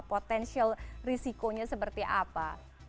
potensial risikonya seperti apa